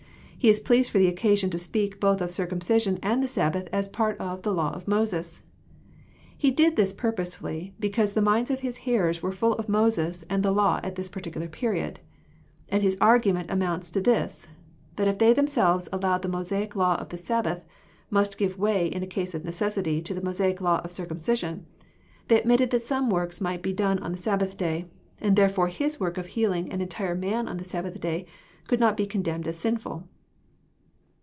He is pleased for the occasion to speak both of circumcision and the Sab!)ath as part of *< the law of Moses.*' He did this purposely, because the minds of His hearers were fhll of Moses and the law at this particular period. And His argument amounts to this, that if they themselves allowed the Mosaic law of the Sabbath must give way in a case of necessity to the Mosaic law of circumci sion, they admitted that some works might be done on the Sabbath day ; and therefore His work of healing an entire man on the Sabbath day could not be condemned as sinful.